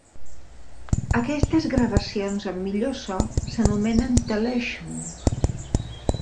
Aquestes gravacions amb millor so s'anomenen "telesync".